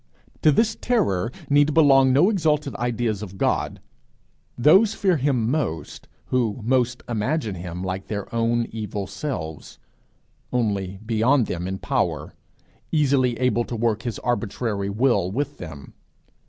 To this terror need belong no exalted ideas of God; those fear him most who most imagine him like their own evil selves, only beyond them in power, easily able to work his arbitrary will with them.